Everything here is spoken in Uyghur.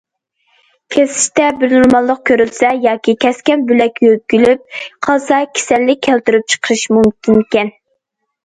كېسىشتە بىنورماللىق كۆرۈلسە، ياكى كەسكەن بۆلەك يۆگىلىپ قالسا كېسەللىك كەلتۈرۈپ چىقىرىشى مۇمكىنكەن.